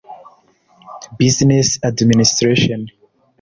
Business Administration